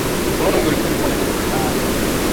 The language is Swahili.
Yeye ni wa kwanza kufika kwetu